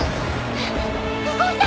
動いた！